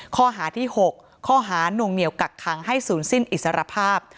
ข้อหาที่๖ข้อหานวงเหนียวกักขังให้ศูนย์สิ้นอิสรภาพ